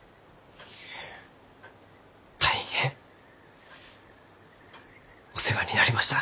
大変お世話になりました。